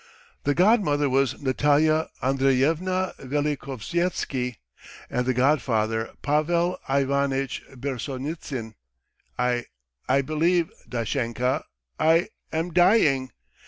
"The godmother was Natalya Andreyevna Velikosvyetsky, and the godfather Pavel Ivanitch Bezsonnitsin. ... I ... I believe, Dashenka, I am dying.